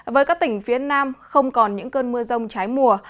với các tỉnh phía nam không còn những cơn mưa rông trái mùa